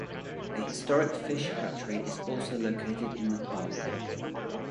A historic fish hatchery is also located in the park.